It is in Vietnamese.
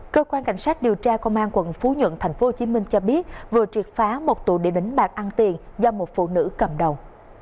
cơ quan cảnh sát điều tra công an quận phú nhuận tp hcm cho biết vừa triệt phá một tủ để đánh bạc ăn tiền do một phụ nữ cầm đầu